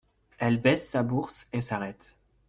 Elle baise sa bourse et s’arrête.